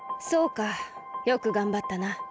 そうかよくがんばったな。